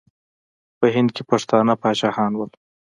په هند کې پښتانه پاچاهان وو.